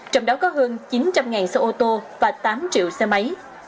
trong đó có hơn chín trăm linh xe ô tô và tám triệu xe máy